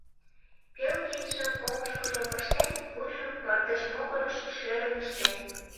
Пел кидшым оҥышкыжо пыштен, вуйжым пырдыж могырыш шӧрын ыштен.